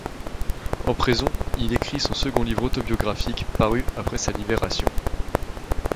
En prison, il écrit son second livre autobiographique, paru après sa libération.